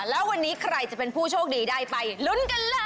แล้ววันนี้ใครจะเป็นผู้โชคดีได้ไปลุ้นกันเลย